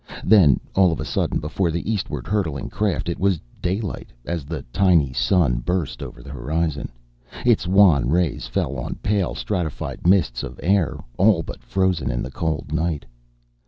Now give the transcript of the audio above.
Then, all of a sudden, before the eastward hurtling craft, it was daylight, as the tiny sun burst over the horizon. Its wan rays fell on pale, stratified mists of air, all but frozen in the cold of night.